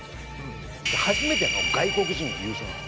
初めての外国人が優勝なの。